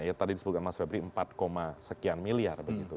ya tadi disebutkan mas febri empat sekian miliar begitu